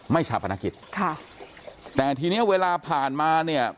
ชาปนกิจค่ะแต่ทีเนี้ยเวลาผ่านมาเนี่ย